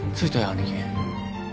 兄貴